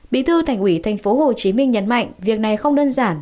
bí thư thành ủy tp hcm nhấn mạnh việc này không đơn giản